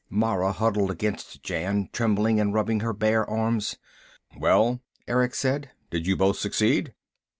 Mara huddled against Jan, trembling and rubbing her bare arms. "Well?" Erick said. "Did you both succeed?"